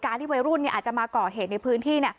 การที่เวรุ้นอาจจะมาเกาะเหตุในพื้นที่